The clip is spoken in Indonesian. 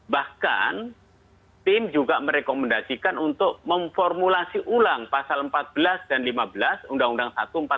bahkan tim juga merekomendasikan untuk memformulasi ulang pasal empat belas dan lima belas undang undang satu empat puluh